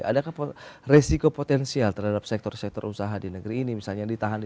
adakah resiko potensial terhadap sektor sektor usaha di negeri ini misalnya ditahan di